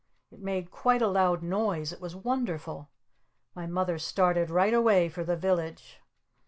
It made quite a loud noise! It was wonderful! My Mother started right away for the village.